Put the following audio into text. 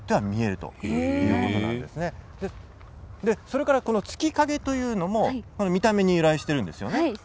それから、月影というのも見た目に由来しているんですよね。